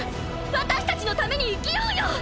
私たちのために生きようよ！！